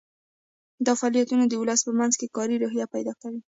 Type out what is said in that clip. دا فعالیتونه د ولس په منځ کې کاري روحیه پیدا کوي.